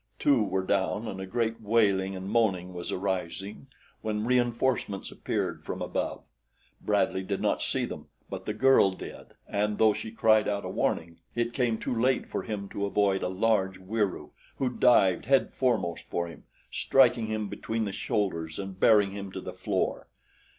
Two were down and a great wailing and moaning was arising when reinforcements appeared from above. Bradley did not see them; but the girl did, and though she cried out a warning, it came too late for him to avoid a large Wieroo who dived headforemost for him, striking him between the shoulders and bearing him to the floor.